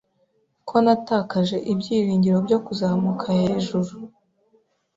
Ko natakaje ibyiringiro byo kuzamuka hejuru